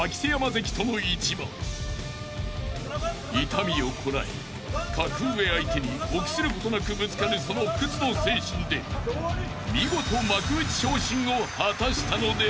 ［痛みをこらえ格上相手に臆することなくぶつかるその不屈の精神で見事幕内昇進を果たしたのであった］